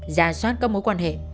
giả soát có mối quan hệ